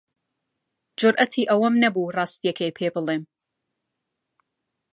جورئەتی ئەوەم نەبوو ڕاستییەکەی پێ بڵێم.